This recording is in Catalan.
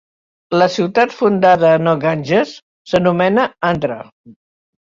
La ciutat fundada en el Ganges s'anomena Andhra.